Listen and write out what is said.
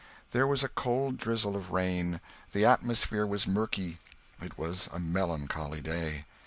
There was a cold drizzle of rain; the atmosphere was murky; it was a melancholy day.